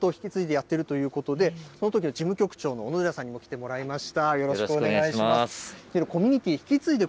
これ、復興屋台村からずっと引き継いでやっているということで、そのときの事務局長の小野寺さんにも来てもらいました。